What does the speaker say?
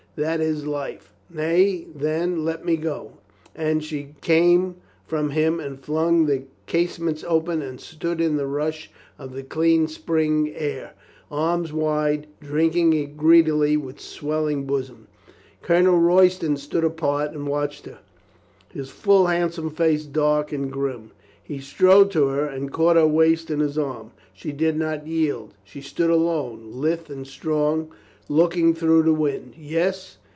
"That is life ... Nay, then, let me go," and she came from him and flung the casements open and stood in the rush of the clean spring air, arms wide, drinking it greedily with swelling bosom. Colonel Royston stood apart and watched her, his full, handsome face dark and grim. He strode to her and caught her waist in his arm. She did not yield; she stood alone, lithe and strong, looking through the wind. "Yes.